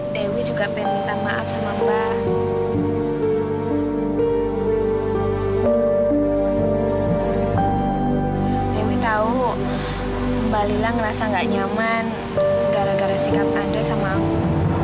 dewi tau mbak nila ngerasa nggak nyaman gara gara sikap andre sama aku